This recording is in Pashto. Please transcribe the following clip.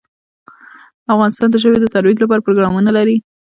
افغانستان د ژبې د ترویج لپاره پروګرامونه لري.